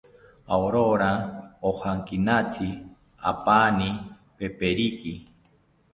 Aurora ojankinatzi apani peperiki